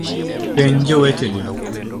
Penj joweteni